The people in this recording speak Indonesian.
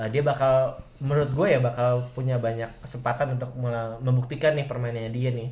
dia bakal menurut gue ya bakal punya banyak kesempatan untuk membuktikan nih permainannya dia nih